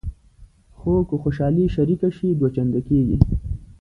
خو که خوشحالي شریکه شي دوه چنده کېږي.